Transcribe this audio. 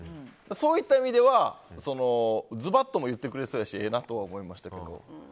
そういった意味ではズバッとも言ってくれそうですしええなとは思いましたけど。